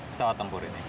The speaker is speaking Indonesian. pesawat tempur ini